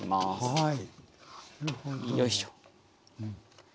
はい。